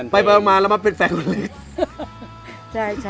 ไปมาแล้วมาเป็นแฟนคนนี้